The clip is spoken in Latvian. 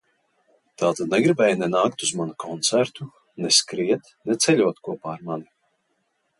Tātad negribēji ne nākt uz manu koncertu, ne skriet, ne ceļot kopā ar mani?